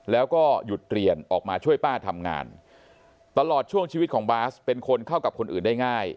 แล้วก็หยุดเรียนออกมาช่วยป้าทำงานตลอดช่วงชีวิตของบาสเป็นคนเข้ากับคนอื่นได้ง่าย